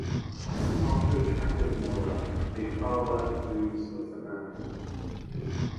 After a chat with Noah, the father approves of the marriage.